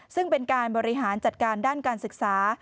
ซึ่งเป็นการบริหารจัดการด้านการศึกษา